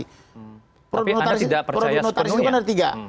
tapi anda tidak percaya sepenuhnya